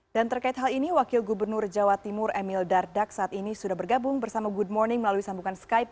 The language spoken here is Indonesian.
dan terkait hal ini wakil gubernur jawa timur emil dardak saat ini sudah bergabung bersama good morning melalui sambungan skype